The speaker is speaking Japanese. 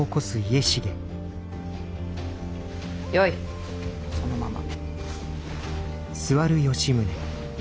よいそのまま。